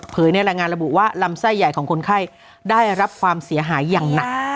ในรายงานระบุว่าลำไส้ใหญ่ของคนไข้ได้รับความเสียหายอย่างหนัก